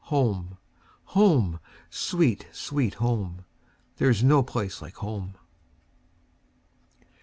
home! sweet, sweet home! There 's no place like home!